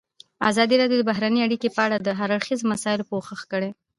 ازادي راډیو د بهرنۍ اړیکې په اړه د هر اړخیزو مسایلو پوښښ کړی.